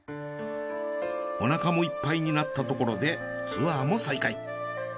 お腹もいっぱいになったところでツアーも再開。